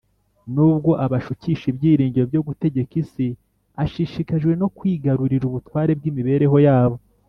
. Nubwo abashukisha ibyiringiro byo gutegeka isi, ashishikajwe no kwigarurira ubutware bw’imibereho yabo